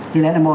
thì đấy là một